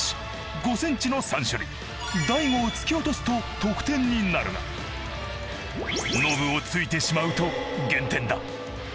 大悟を突き落とすと得点になるがノブを突いてしまうと減点だ。